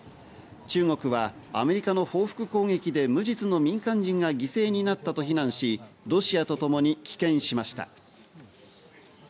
中国はアメリカの報復攻撃で無実の民間人が犠牲になったと非難し、ロシアとともに棄権しました。